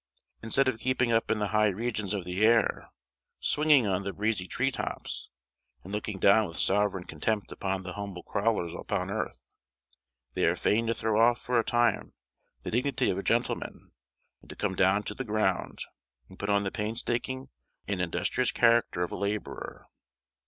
Instead of keeping up in the high regions of the air, swinging on the breezy tree tops, and looking down with sovereign contempt upon the humble crawlers upon earth, they are fain to throw off for a time the dignity of a gentleman, and to come down to the ground, and put on the painstaking and industrious character of a labourer.